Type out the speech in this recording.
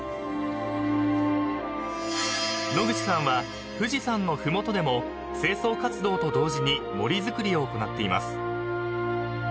［野口さんは富士山の麓でも清掃活動と同時に森づくりを行っています］